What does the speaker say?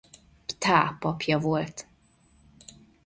Ptah papja volt.